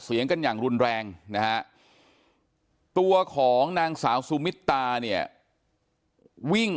เสียงกันอย่างรุนแรงนะฮะตัวของนางสาวสุมิตตาเนี่ยวิ่ง